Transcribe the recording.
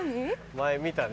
前見たね。